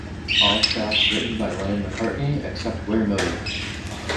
All tracks written by Lennon-McCartney, except where noted.